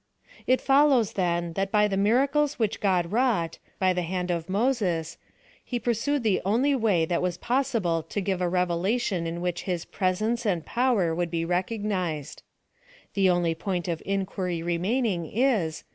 It follovvSj then, that by the miracles which God wrought, by the hand of Moses, he pursued the only way that was possible to give a revelation in which ais presence and power would be recognized. The only point of inquiry remaining is.